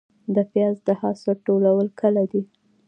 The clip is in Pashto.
د پیاز د حاصل ټولول کله دي؟